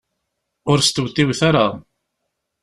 Ur stewtiwet ara.